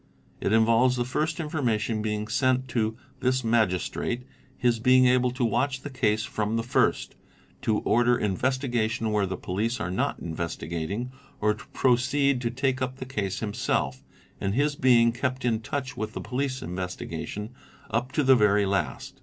It involves the first information being sent to this Magistrate, his being _ able to watch the case from the first, to order investigation where the ' police are not investigating, or to proceed to take up the case himself, and his being kept in touch with the police investigation up to the very last.